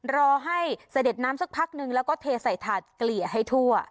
รอให้เสด็จน้ำสักพักนึงแล้วก็เทใส่ถาดเกลี่ยให้ทั่ว